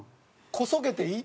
「こそげていい」？